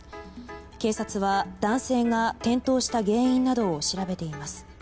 警察は男性が転倒した原因などを調べています。